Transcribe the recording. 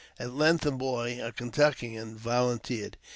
At length a boy — a Kentuckian — volunteered.